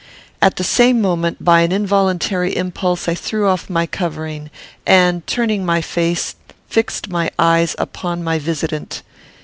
At the same moment, by an involuntary impulse, I threw off my covering, and, turning my face, fixed my eyes upon my visitant.